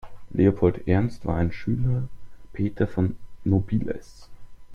Leopold Ernst war ein Schüler Peter von Nobiles.